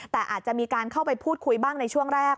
แต่อาจจะมีการเข้าไปพูดคุยบ้างในช่วงแรก